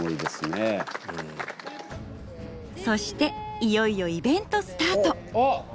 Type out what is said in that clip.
そしていよいよイベントスタート。